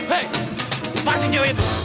hei lepasin dia